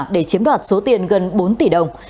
để chiếm đoạt số tiền gần bốn tỷ đồng